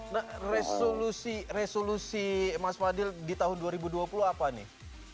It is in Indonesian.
nah resolusi mas fadil di tahun dua ribu dua puluh apa nih